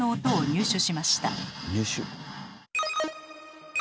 入手？